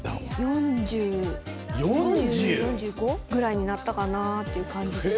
４０。になったかなっていう感じです。